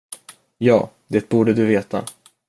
Ja, det borde du veta.